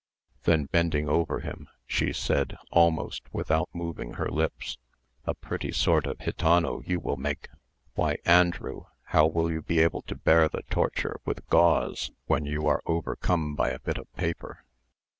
Then bending over him she said, almost without moving her lips, "A pretty sort of gitano you will make! Why, Andrew, how will you be able to bear the torture with gauze, when you are overcome by a bit of paper?"